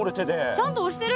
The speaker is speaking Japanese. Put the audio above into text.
ちゃんとおしてる？